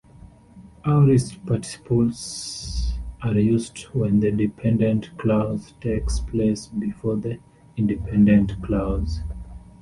"Aorist participles" are used when the dependent clause takes place before the independent clause.